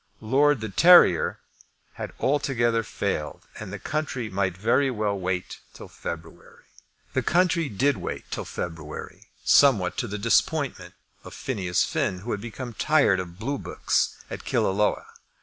Lord de Terrier had altogether failed, and the country might very well wait till February. The country did wait till February, somewhat to the disappointment of Phineas Finn, who had become tired of blue books at Killaloe.